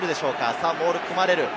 さぁモールを組まれる。